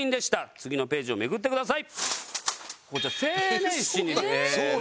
次のページをめくってください。